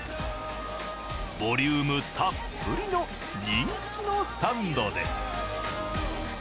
ボリュームたっぷりの人気のサンドです。